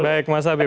baik mas habib